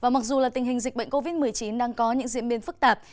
mặc dù tình hình dịch bệnh covid một mươi chín đang có những diễn biến phức tạp